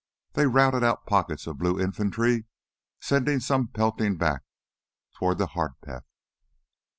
They routed out pockets of blue infantry, sending some pelting back toward the Harpeth.